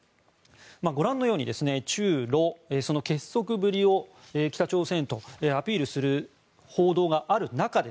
ご覧のように中ロの結束ぶりを北朝鮮とアピールする報道がある中で